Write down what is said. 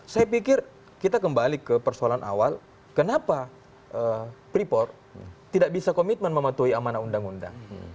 saya pikir kita kembali ke persoalan awal kenapa freeport tidak bisa komitmen mematuhi amanah undang undang